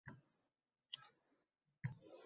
Bir vaqt telefon qoʻngʻirogʻi boʻlib qoldi.